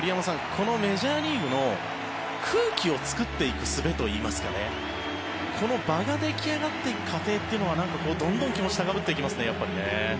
このメジャーリーグの空気を作っていくすべといいますかこの場が出来上がっていく過程というのはなんか、どんどん気持ちが高ぶっていきますね。